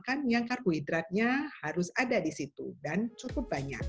kan yang karbohidratnya harus ada di situ dan cukup banyak